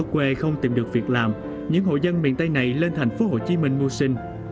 quê không tìm được việc làm những hộ dân miền tây này lên thành phố hồ chí minh mua sinh